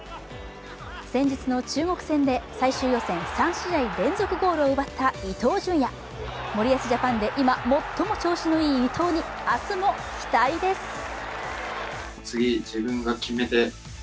先日の中国戦で最終予選３試合連続ゴールを奪った伊東純也、森保ジャパンで今、最も調子のいい伊東に明日も期待です。